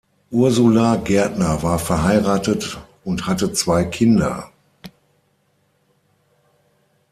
Ursula Gärtner war verheiratet und hat zwei Kinder.